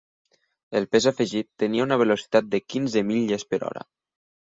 El pes afegit tenia una velocitat de quinze milles per hora.